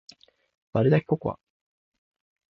割るだけココア